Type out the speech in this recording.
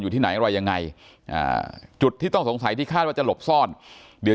ที่ไหนอะไรยังไงจุดที่ต้องสงสัยที่คาดว่าจะหลบซ่อนเดี๋ยว